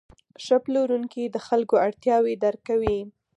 ښه پلورونکی د خلکو اړتیاوې درک کوي.